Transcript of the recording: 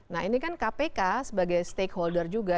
nah ini kan kpk sebagai stakeholder juga